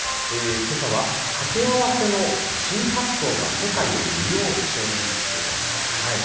けさは掛け合わせの新発想が世界を魅了！ということですが。